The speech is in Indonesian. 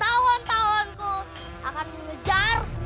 tawan tahanku akan mengejar